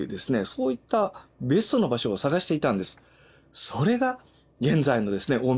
そういったベストの場所を探していたんです。